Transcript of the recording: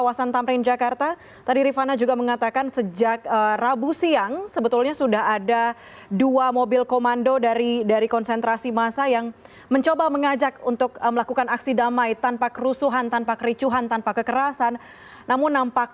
yang anda dengar saat ini sepertinya adalah ajakan untuk berjuang bersama kita untuk keadilan dan kebenaran saudara saudara